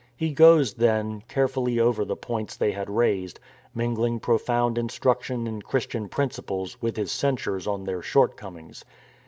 He goes, then, carefully over the points they had raised, mingling profound instruction in Christian principles with his censures on their short comings.